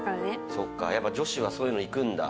そっかやっぱ女子はそういうのいくんだ。